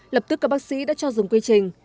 lập tức các bác sĩ đã cho dùng quy trình